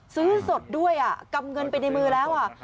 ซื้อสดด้วยกำเงินไปในมือแล้ว